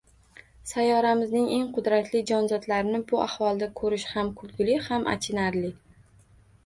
Sayyoramizning eng qudratli jonzotlarini bu ahvolda ko`rish ham kulgili, ham achinarli